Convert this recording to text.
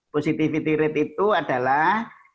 positivity rate itu adalah